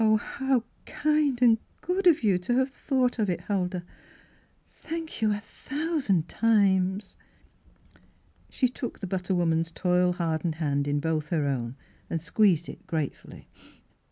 How kind and good of you to have thought of it, Huldah. Thank you a thousand times !" She took the butter woman's toil hard ened hand in both her own and squeezed it gratefully.